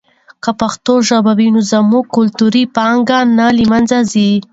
که پښتو ژبه وي نو زموږ کلتوري پانګه نه له منځه ځي.